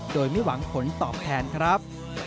โดยไม่หวังผลตอบแทนครับ